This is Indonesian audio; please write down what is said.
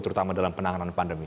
terutama dalam penanganan pandemi